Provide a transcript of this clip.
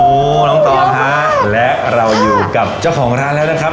โอ้โหน้องตองฮะและเราอยู่กับเจ้าของร้านแล้วนะครับ